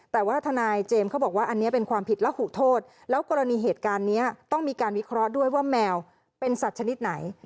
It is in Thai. แต่ว่าทนายเจมส์เขาบอกว่าอันนี้เป็นความผิดและหูโทษแล้วกรณีเหตุการณ์นี้ต้องมีการวิเคราะห์ด้วยว่าแมวเป็นสัตว์ชนิดไหน